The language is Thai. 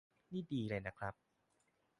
นี่ดีเลยนะครับ